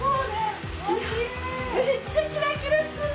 めっちゃキラキラしてる。